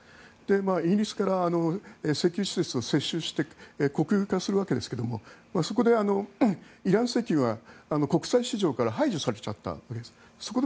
イギリスから石油施設を接収して国有化するわけですがそこでイラン石油が国際市場から排除されたわけです。